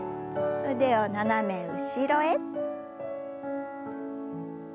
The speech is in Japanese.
腕を斜め後ろへ。